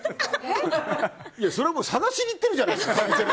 それは探しにいってるじゃないですか。